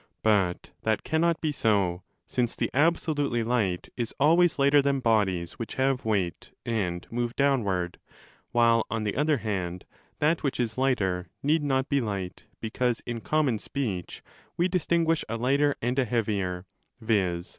But that cannot be so, since the absolutely light is always lighter than bodies which have weight and move downward, while, on the other hand, that which is lighter need not be light, because in common speech we distinguish a lighter and a heavier (viz.